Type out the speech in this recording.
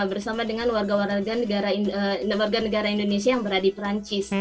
bersama dengan warga warga negara indonesia yang berada di perancis